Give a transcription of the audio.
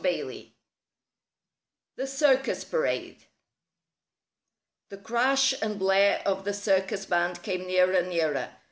XXI THE CIRCUS PARADE The crash and blare of the circus band came nearer and nearer.